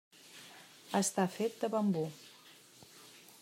Està fet de bambú.